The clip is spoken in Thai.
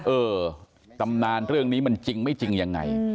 เออตำนานเรื่องนี้มันจริงไม่จริงยังไง